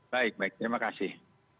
baik baik terima kasih